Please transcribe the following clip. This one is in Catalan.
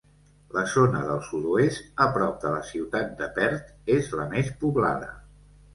La zona del sud-oest, a prop de la ciutat de Perth, és la més poblada.